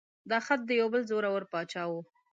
دا خط د یو بل زوره ور باچا و.